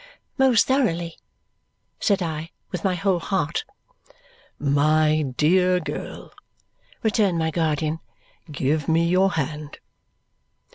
"Most thoroughly," said I with my whole heart. "My dear girl," returned my guardian, "give me your hand."